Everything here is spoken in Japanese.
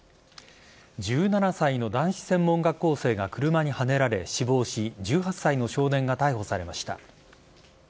１７歳の男子専門学校生が車にはねられ死亡し１８歳の少年が逮捕されました。